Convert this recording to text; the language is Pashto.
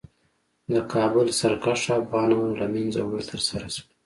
د کابل سرکښه افغانانو له منځه وړل ترسره شول.